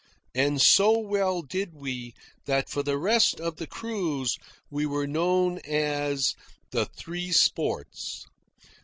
(And so well did we, that for the rest of the cruise we were known as the "Three Sports.")